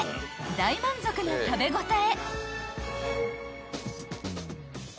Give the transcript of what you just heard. ［大満足の食べ応え］